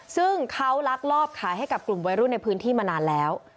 ซึ่งเขาลักลอบขายให้กับกลุ่มวัยรุ่นในพื้นที่มานานแล้ว